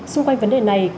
xung quanh vấn đề này